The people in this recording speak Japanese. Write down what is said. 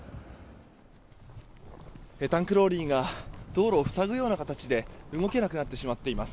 タンクローリーが道路を塞ぐような形で動けなくなってしまっています。